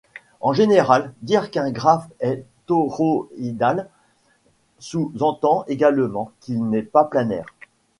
En général dire qu'un graphe est toroïdal sous-entend également qu'il n'est pas planaire.